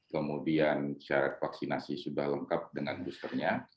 kemudian syarat vaksinasi sudah lengkap dengan boosternya